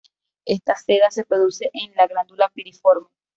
Esta seda se produce en la glándula piriforme.